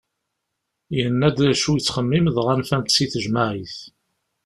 Yenna-d acu yettxemmim dɣa nfan-t si tejmaɛit.